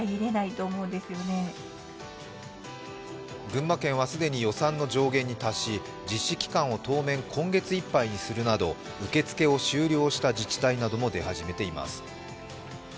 群馬県は既に予算の上限に達し、実施期間を当面、今月いっぱいにするなど受け付けを終了した自治体なども出始めています。